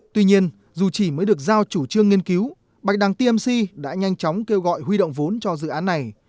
tuy nhiên dù chỉ mới được giao chủ trương nghiên cứu bạch đằng tmc đã nhanh chóng kêu gọi huy động vốn cho dự án này